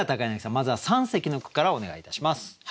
まずは三席の句からお願いいたします。